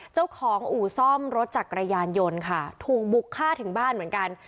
เจ้าของอู่ซ่อมรถจักรยานยนต์ค่ะถูกบุกฆ่าถึงบ้านเหมือนกัน